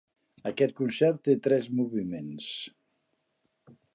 Aquest concert té tres moviments.